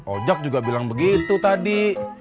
ojek juga bilang begitu tadi